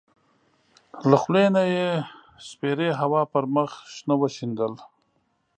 له خولې نه یې د سپېرې هوا پر مخ شنه وشیندل.